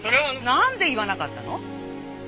なんで言わなかったの？